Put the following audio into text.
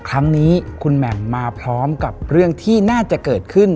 ครั้งนี้คุณแหม่มมาพร้อมกับเรื่องที่น่าจะเกิดขึ้น